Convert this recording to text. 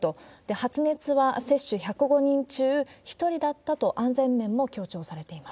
発熱は接種１０５人中１人だったと、安全面も強調されています。